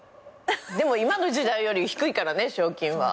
でも今の時代より低いからね賞金は。